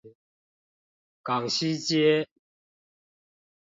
港西街